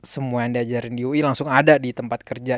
semua yang diajarin di ui langsung ada di tempat kerja